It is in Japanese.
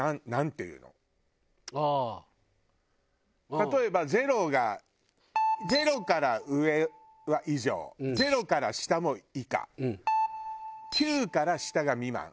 例えば０が０から上は「以上」０から下も「以下」９から下が「未満」